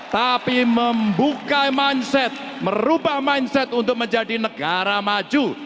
tapi membuka mindset merubah mindset untuk menjadi negara maju